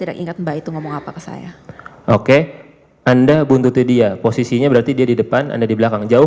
dan ini tiga paper bagnya